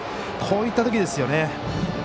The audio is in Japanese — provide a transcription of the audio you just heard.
こういったときですよね。